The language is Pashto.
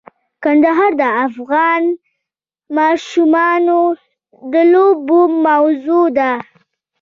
کندهار د افغان ماشومانو د لوبو موضوع ده.